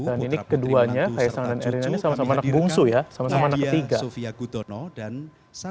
dan ini keduanya kaisang dan erina ini sama sama anak bungsu ya sama sama anak ketiga